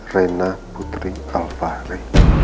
rena putri alvahri